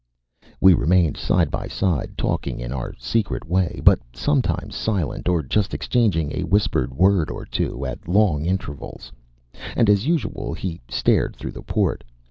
We remained side by side talking in our secret way but sometimes silent or just exchanging a whispered word or two at long intervals. And as usual he stared through the port.